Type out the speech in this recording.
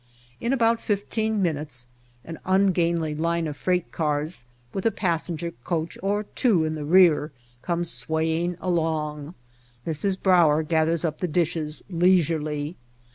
In about fifteen minutes an ungainly line of freight cars with a passenger coach or two in the rear comes swaying along. Mrs. Brauer gathers up the dishes leisurely.